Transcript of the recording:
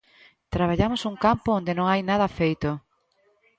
Traballamos un campo onde non hai nada feito.